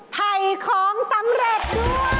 ไทยคล้องสำเร็จด้วย